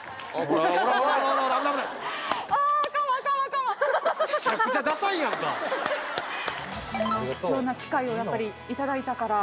こんな貴重な機会をやっぱりいただいたから。